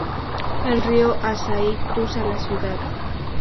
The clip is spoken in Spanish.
El río Asahi cruza la ciudad.